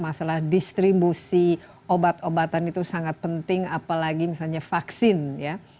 masalah distribusi obat obatan itu sangat penting apalagi misalnya vaksin ya